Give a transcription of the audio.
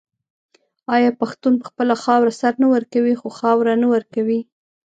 آیا پښتون په خپله خاوره سر نه ورکوي خو خاوره نه ورکوي؟